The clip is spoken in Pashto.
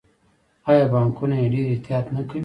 آیا بانکونه یې ډیر احتیاط نه کوي؟